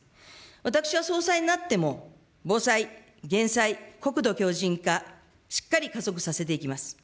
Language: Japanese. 私は総裁になっても、防災、減災、国土強靭化、しっかり加速させていきます。